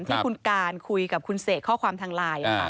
ที่คุณการคุยกับคุณเสกข้อความทางไลน์